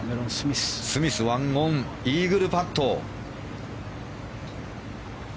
スミス、１オンイーグルパット。